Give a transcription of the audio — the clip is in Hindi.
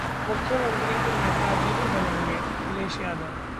मुख्यमंत्री तो नेताजी ही बनेंगे: अखिलेश यादव